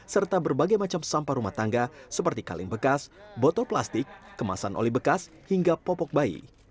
serta berbagai macam sampah rumah tangga seperti kaleng bekas botol plastik kemasan oli bekas hingga popok bayi